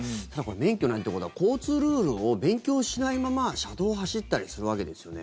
免許ないということは交通ルールを勉強しないまま車道を走ったりするわけですよね。